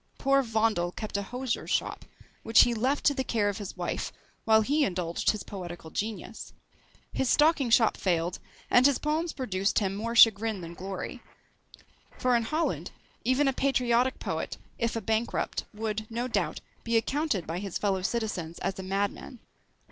Poor Vondel kept a hosier's shop, which he left to the care of his wife, while he indulged his poetical genius. His stocking shop failed, and his poems produced him more chagrin than glory; for in Holland, even a patriotic poet, if a bankrupt, would, no doubt, be accounted by his fellow citizens as a madman.